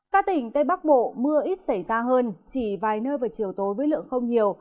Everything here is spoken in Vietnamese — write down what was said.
các tỉnh tây bắc bộ mưa ít xảy ra hơn chỉ vài nơi vào chiều tối với lượng không nhiều